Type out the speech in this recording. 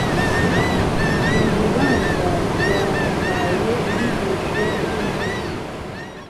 Ibi bibanza byamuhaye inyigisho zumuziki.